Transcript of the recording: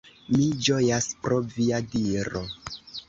Mi ĝojas pro via diro.